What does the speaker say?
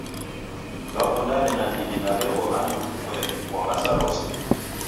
W'akundane nandighi na w'eko andu w'umweri kwa maza rose.